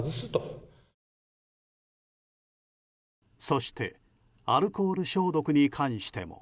そしてアルコール消毒に関しても。